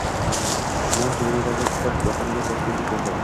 Non tugunidagi kitob biqiniga botgandek boʼldi.